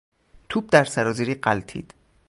توپ در سرازیری غلتید.